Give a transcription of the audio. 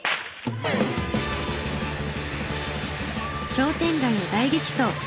商店街を大激走！